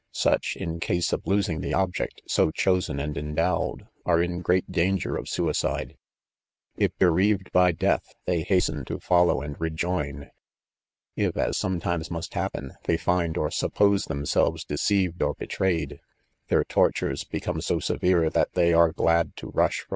Such, in case of losing the object so chosen and endowed, are in greet danger of suicide; if bereaved hy death, they has ten to follow and rejoin; if, as sometimes mast happen, they find or suppose themselves deceived or betrayed, thciu tortures become so severe, that they are glad to rush frcir.